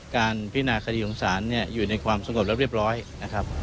พินาคดีของศาลเนี่ยอยู่ในความสงบและเรียบร้อยนะครับ